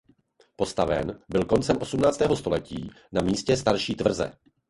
Postaven byl koncem osmnáctého století na místě starší tvrze.